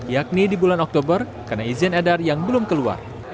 yakni di bulan oktober karena izin edar yang belum keluar